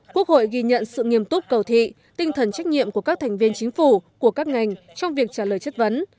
quốc hội ghi nhận sự nghiêm túc cầu thị tinh thần trách nhiệm của các thành viên chính phủ của các ngành trong việc trả lời chất vấn